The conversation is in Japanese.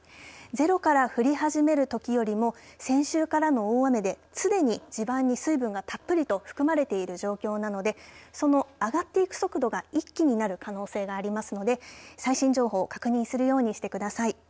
ゼロから降り始めるときよりも先週からの大雨で、すでに地盤に水分がたっぷりと含まれている状況なのでその上がっていく速度が一気になる可能性がありますので最新情報を確認するようにしてください。